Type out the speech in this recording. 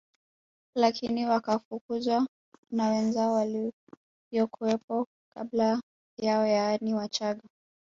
Lakini wakafukuzwa na wenzao waliokuwepo kabla yao yaani Wachaga